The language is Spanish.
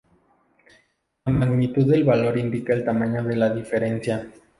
La magnitud del valor indica el tamaño de la diferencia.